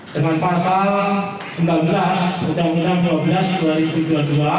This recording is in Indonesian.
dengan pasal sembilan belas undang undang dua belas dua ribu dua puluh dua